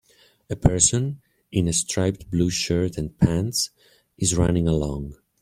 A person, in a striped blue shirt and pants, is running along.